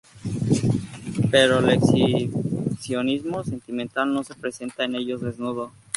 Pero el exhibicionismo sentimental no se presenta en ellos desnudo.